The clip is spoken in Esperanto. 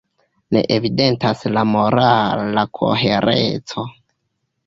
Ne evidentas la morala kohereco.